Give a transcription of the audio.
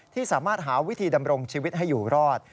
ที่สามารถหาวิธีดำรงชีวิตให้อยู่รอด